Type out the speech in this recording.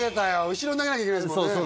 後ろに投げなきゃいけないんすもんね。